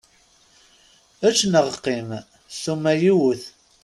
Ečč neɣ qqim, ssuma yiwet.